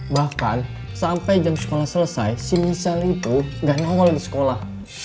bahkan sampai jam sekolah selesai si michel itu gak nawal di sekolah